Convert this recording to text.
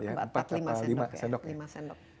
empat atau lima sendok